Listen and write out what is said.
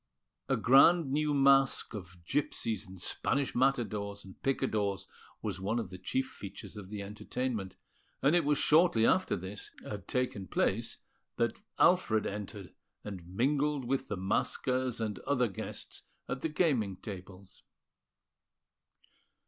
A grand new masque of Gipsies and Spanish Matadors and Picadors was one of the chief features of the entertainment; and it was shortly after this had taken place that Alfred entered, and mingled with the maskers and other guests at the gaming tables.